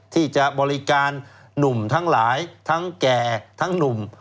ที่จะบริการหนุ่มทั้งหลายทั้งแก่ทั้งหนุ่ม